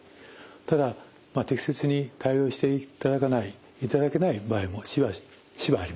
ただ適切に対応していただけない場合もしばしばあります。